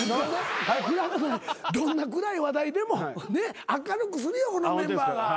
どんな暗い話題でも明るくするよこのメンバーが。